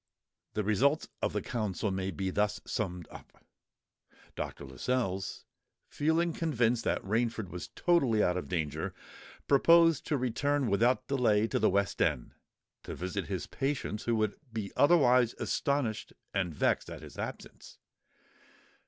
The results of the council may be thus summed up:—Dr. Lascelles, feeling convinced that Rainford was totally out of danger, proposed to return without delay to the West End, to visit his patients who would be otherwise astonished and vexed at his absence.